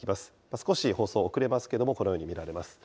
少し放送遅れますけれども、このように見られます。